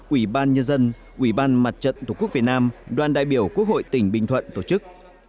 ủy ban nhân dân ủy ban mặt trận tổ quốc việt nam đoàn đại biểu quốc hội tỉnh bình thuận tổ chức